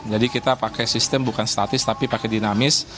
jadi kita pakai sistem bukan statis tapi pakai dinamis